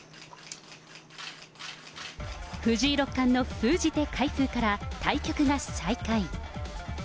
藤井六冠の封じ手開封から対局が再開。